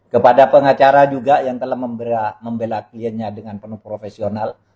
kepada pengacara juga yang telah membela kliennya dengan penuh profesional